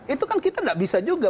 itu kan kita nggak bisa juga